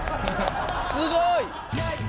すごい！